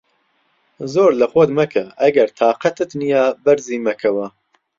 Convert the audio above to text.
زۆر لە خۆت مەکە، ئەگەر تاقەتت نییە بەرزی مەکەوە.